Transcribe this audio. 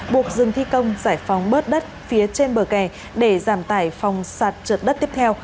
buộc dừng thi công giải phóng bớt đất phía trên bờ kè để giảm tải phòng sạt trượt đất tiếp theo